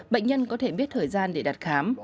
bệnh nhân có thể biết thời gian để đặt khám